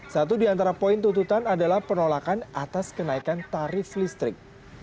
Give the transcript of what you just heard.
satu di antara poin tuntutan adalah penolakan atas kenaikan tarif listrik